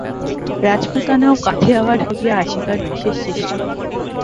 রাজপুতানা ও কাথিয়াওয়াড় হইয়া আসিবার বিশেষ চেষ্টা করিব।